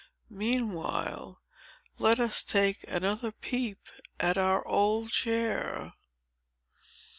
Meanwhile, let us take another peep at our old chair."